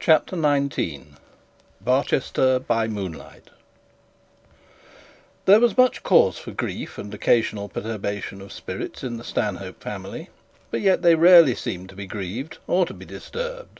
CHAPTER XIX BARCHESTER BY MOONLIGHT There was much cause for grief and occasional perturbation of spirits in the Stanhope family, but yet they rarely seemed to be grieved or to be disturbed.